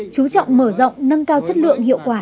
chú trọng mở rộng nâng cao chất lượng hiệu quả